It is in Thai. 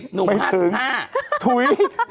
๒๐หนุ่ม๕๕ไม่ถึงถุ้ย